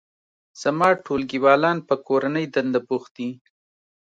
زما ټولګیوالان په کورنۍ دنده بوخت دي